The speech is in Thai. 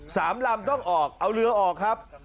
สามลำต้องออกเอาเรือออกครับ